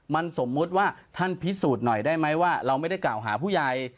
มันสมมุติว่าท่านพิสูจน์หน่อยได้ไหมว่าเราไม่ได้กล่าวหาผู้ใหญ่